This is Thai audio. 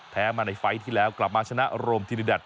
มาในไฟล์ที่แล้วกลับมาชนะโรมธิริดัช